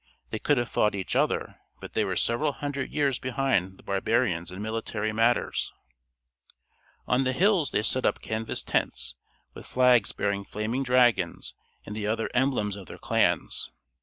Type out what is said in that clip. They could have fought each other, but they were several hundred years behind the barbarians in military matters. On the hills they set up canvas tents, with flags bearing flaming dragons and the other emblems of their clans.